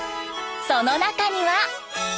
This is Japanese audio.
その中には。